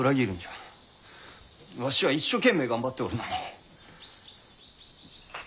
わしは一生懸命頑張っておるのに。